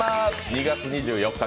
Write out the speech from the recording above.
２月２４日